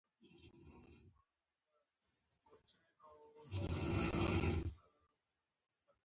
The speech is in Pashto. هغه د مومن خان په قبر کې ده.